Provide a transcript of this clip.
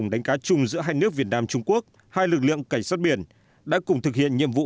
đánh cá chung giữa hai nước việt nam trung quốc hai lực lượng cảnh sát biển đã cùng thực hiện nhiệm vụ